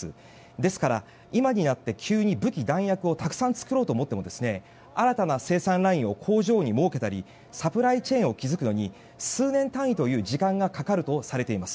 ですから、今になって急に武器・弾薬をたくさん作ろうと思っても新たな生産ラインを工場に設けたりサプライチェーンを作るのに数年単位の時間がかかるとされています。